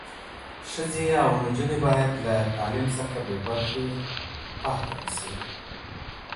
ښځې او نجونې باید له تعلیم څخه بې برخې نه پاتې شي.